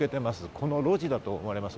この路地だと思われます。